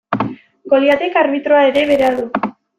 Goliatek arbitroa ere berea du.